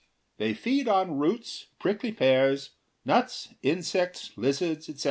They feed on roots, prickly pears, nuts, insects, lizards, etc.